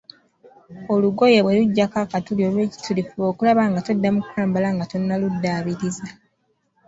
Olugoye bwe lujjako akatuli oba ekituli, fuba okulaba nga toddamu kulwambala nga tonnaluddaabiriza.